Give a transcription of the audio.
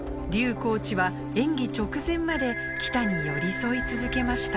コーチは、演技直前まで喜田に寄り添い続けました。